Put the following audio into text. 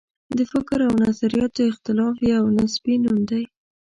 د فکر او نظریاتو اختلاف یو نصبي نوم دی.